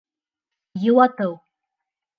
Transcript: Йыуатыу